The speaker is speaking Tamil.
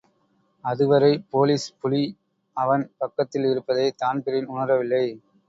அதுவரை போலிஸ் புலி அவன் பக்கத்தில் இருப்பதை தான்பிரீன் உணரவில்லை.